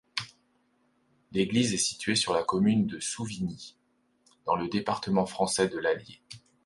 L'église est située sur la commune de Souvigny, dans le département français de l'Allier.